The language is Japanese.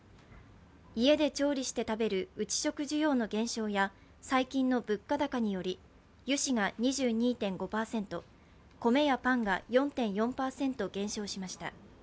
家で調理して食べる内食需要の減少や最近の物価高により油脂が２２．５％、米やパンが４．４％減少しました。